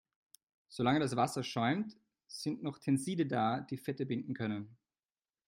Solange das Wasser schäumt, sind noch Tenside da, die Fette binden können.